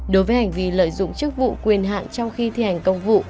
đối với hành vi lợi dụng chức vụ quyền hạn trong khi thi hành công vụ